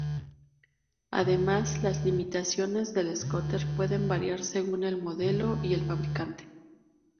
Además, las limitaciones del scooter pueden variar según el modelo y el fabricante.